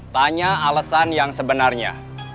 tanya alasan yang sebenarnya